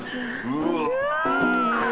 うわ